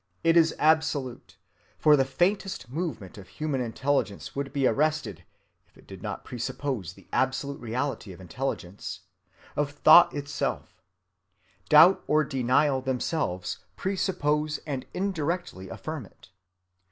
It is absolute; for the faintest movement of human intelligence would be arrested, if it did not presuppose the absolute reality of intelligence, of thought itself. Doubt or denial themselves presuppose and indirectly affirm it.